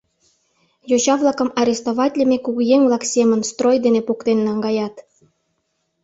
Йоча-влакым арестоватлыме кугыеҥ-влак семын строй дене поктен наҥгаят.